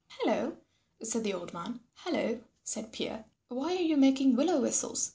"Hello," said the old man. "Hello," said Pierre, "why are you making willow whistles?"